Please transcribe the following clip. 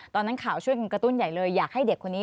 ตอนนั้นข่าวช่วยกันกระตุ้นใหญ่เลยอยากให้เด็กคนนี้